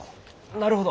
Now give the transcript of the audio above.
なるほど。